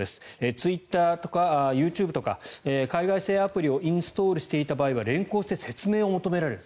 ツイッターとかＹｏｕＴｕｂｅとか海外製アプリをインストールしていた場合は連行して説明を求められる。